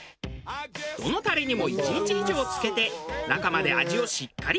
どのタレにも１日以上漬けて中まで味をしっかり染み込ませている。